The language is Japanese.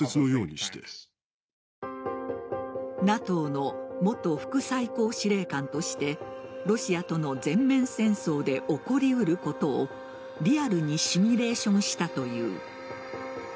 ＮＡＴＯの元副最高司令官としてロシアとの全面戦争で起こりうることをリアルにシミュレーションしたという。